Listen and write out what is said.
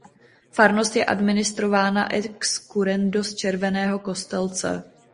Farnost je administrována ex currendo z Červeného Kostelce.